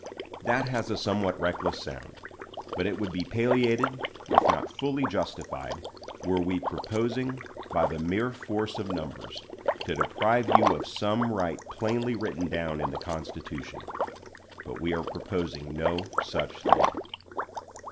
That has a somewhat reckless sound; but it would be palliated, if not fully justified, were we proposing, by the mere force of numbers, to deprive you of some right plainly written down in the Constitution. But we are proposing no such thing.